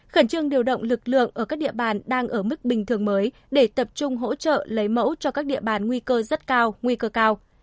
khẩn trương điều động lực lượng ở các địa bàn đang ở mức bình thường mới để tập trung hỗ trợ lấy mẫu cho các địa bàn nguy cơ rất cao nguy cơ cao